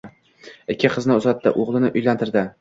Ikki qizini uzatdi, o‘g‘lini uylantirdi